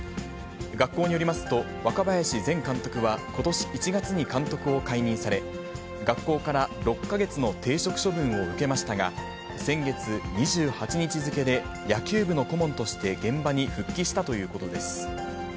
学校によりますと、若林前監督はことし１月に監督を解任され、学校から６か月の停職処分を受けましたが、先月２８日付で野球部の顧問として現場に復帰したということです。